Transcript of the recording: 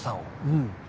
うん。